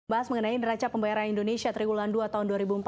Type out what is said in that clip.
bahas mengenai neraca pembayaran indonesia triwulan dua tahun dua ribu empat belas